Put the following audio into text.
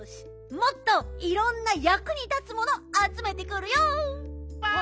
もっといろんなやくにたつものあつめてくるよ！